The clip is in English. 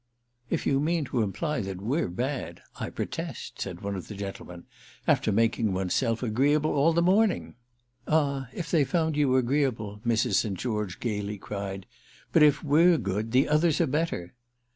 "If you mean to imply that we're bad, I protest," said one of the gentlemen—"after making one's self agreeable all the morning!" "Ah if they've found you agreeable—!" Mrs. St. George gaily cried. "But if we're good the others are better."